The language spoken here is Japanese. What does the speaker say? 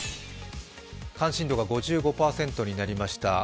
関心度が５５％になりました。